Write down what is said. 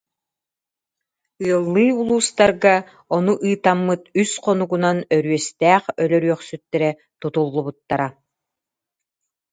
Ыаллыы улуус- тарга ону ыытаммыт үс хонугунан Өрүөстээх өлөрүөх- сүттэрэ тутуллубуттара